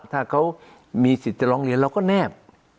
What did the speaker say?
ถ้าเขามีสิทธิ์จะร้องเรียนเราก็แนบ